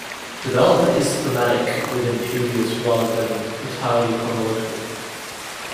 Development is thematic within periods rather than entirely chronological.